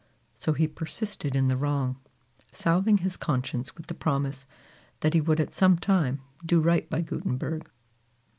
So he persisted in the wrong, salving his conscience with the promise that he would at some time do right by Gutenberg.